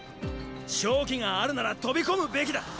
勝機があるなら飛び込むべきだ！